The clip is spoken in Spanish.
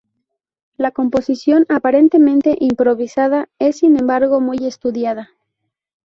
La composición, aparentemente improvisada, es sin embargo muy estudiada.